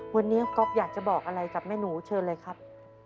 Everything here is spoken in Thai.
วันนี้ก๊อกอยากจะบอกอะไรกับแม่หนูเชิญเลยครับ